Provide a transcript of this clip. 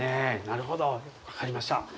なるほど分かりました。